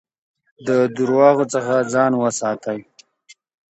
د درواغو څخه ځان وساتئ.